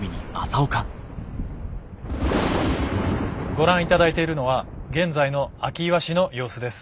ご覧いただいているのは現在の明岩市の様子です。